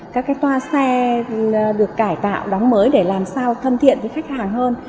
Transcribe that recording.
các cái toa xe được cải tạo đóng mới để làm sao thân thiện với khách hàng hơn